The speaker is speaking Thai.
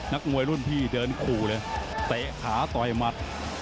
นักมวยรุ่นพี่เดินขู่เลยเตะขาต่อยหมัด